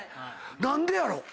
何でやろ？